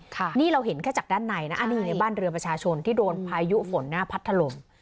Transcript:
ค่ะนี่เราเห็นแค่จากด้านในนะอันนี้อยู่ในบ้านเรือประชาชนที่โดนพายุฝนหน้าพัดถล่ม